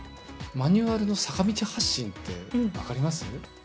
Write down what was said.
マニュアルの坂道発進って分かります？